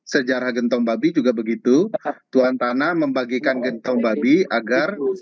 sejarah gentong babi juga begitu tuan tanah membagikan gentong babi agar